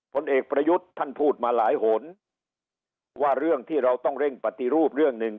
ผลเอกประยุทธ์ท่านพูดมาหลายหนว่าเรื่องที่เราต้องเร่งปฏิรูปเรื่องหนึ่ง